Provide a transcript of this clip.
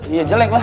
iya jelek lah